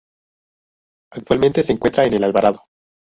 Actualmente se encuentra en el Alvarado.